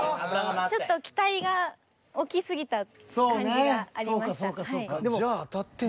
ちょっと期待がおっきすぎた感じがありました